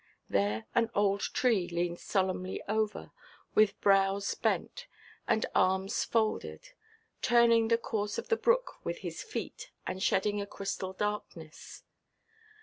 There an old tree leans solemnly over, with brows bent, and arms folded, turning the course of the brook with his feet, and shedding a crystal darkness.